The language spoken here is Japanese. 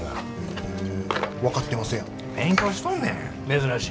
珍しい。